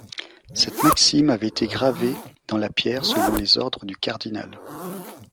Cette maxime avait été gravée dans la pierre selon les ordres du cardinal.